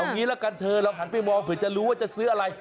งี้ละกันเธอลองหันไปมองเผื่อจะรู้ว่าจะซื้ออะไร